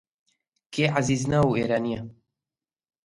کێ عەزیز ناوە و ئێرانییە؟